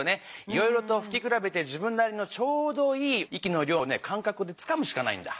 いろいろとふきくらべて自分なりのちょうどいい息の量をね感覚でつかむしかないんだ。